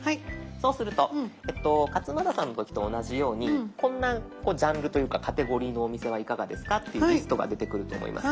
そうすると勝俣さんの時と同じようにこんなジャンルというかカテゴリーのお店はいかがですかっていうリストが出てくると思います。